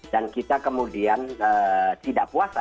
dan kita kemudian tidak puasa